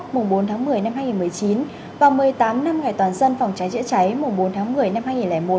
mùng bốn tháng một mươi năm hai nghìn một mươi chín và một mươi tám năm ngày toàn dân phòng cháy chữa cháy mùng bốn tháng một mươi năm hai nghìn một